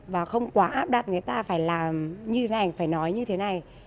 và không quá áp đặt người ta phải làm như thế phải nói như thế này